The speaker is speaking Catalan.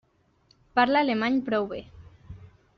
Parla alemany prou bé.